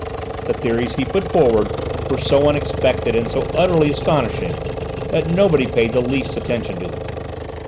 The theories he put forward were so unexpected and so utterly astonishing that nobody paid the least attention to them!